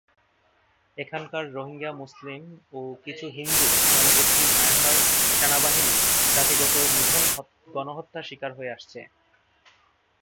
এখানকার রোহিঙ্গা মুসলিম ও কিছু হিন্দু জনগোষ্ঠী মিয়ানমার সেনাবাহিনীর জাতিগত নিধন গণহত্যার শিকার হয়ে আসছে।